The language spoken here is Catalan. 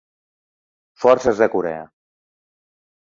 Forces de Corea.